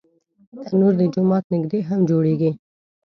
تنور د جومات نږدې هم جوړېږي